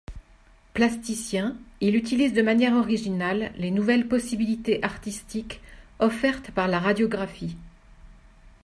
Plasticien, il utilise de manière originale les nouvelles possibilités artistiques offertes par la radiographie.